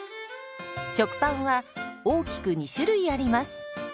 食パンは大きく２種類あります。